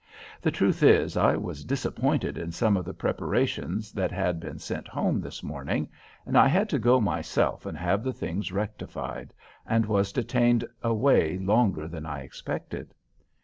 The truth is, I was disappointed in some of the preparations that had been sent home this morning, and I had to go myself and have the things rectified, and was detained away longer than I expected.